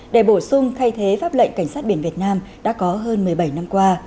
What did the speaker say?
để bổ sung thay thế pháp lệnh cảnh sát biển việt nam đã có hơn một mươi bảy năm qua